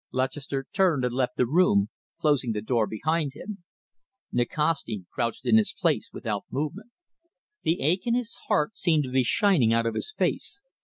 Lutchester turned and left the room, closing the door behind him. Nikasti crouched in his place without movement. The ache in his heart seemed to be shining out of his face.